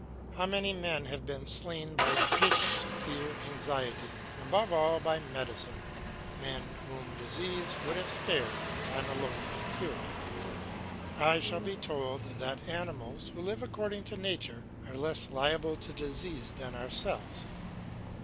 How many men have been slain by impatience, fear, anxiety, and above all by medicine, men whom disease would have spared, and time alone have cured. I shall be told that animals, who live according to nature, are less liable to disease than ourselves.